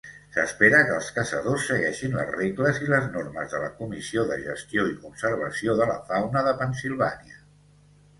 S'espera que els caçadors segueixin les regles i les normes de la Comissió de Gestió i Conservació de la Fauna de Pennsilvània.